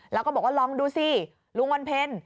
แล้วก็บอกว่าลองดูสิลุงวันเพ็ญ